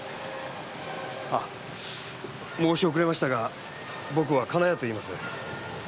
あっ申し遅れましたが僕は金谷といいます。